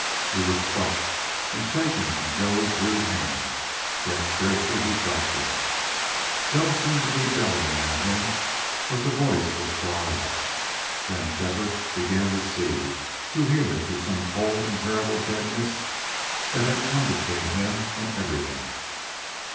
He was clutched and shaken in Joe's rude hands, yet scarcely felt them. Joe seemed to be bellowing at him, but the voice was far off. Then Shefford began to see, to hear through some cold and terrible deadness that had come between him and everything.